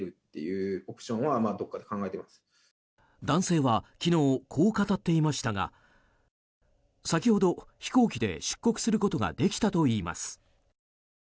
男性は昨日こう語っていましたが先ほど、飛行機で出国することができたといいます。